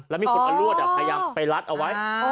แล้วมีคนเอารวดพยายามไปรัดเอาไว้